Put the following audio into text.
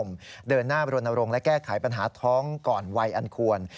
สังคมเดินหน้าโรนโรงและแก้ไขปัญหาท้องก่อนวัยอันควร